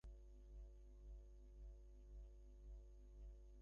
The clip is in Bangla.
কথা ছিল সিদ্ধার্থের চাকরির টাকা দিয়ে একটু একটু করে জমি কেনা হবে।